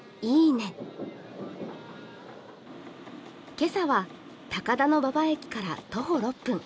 今朝は高田馬場駅から徒歩６分。